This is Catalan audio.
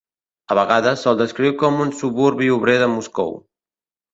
A vegades, se'l descriu com un suburbi obrer de Moscou.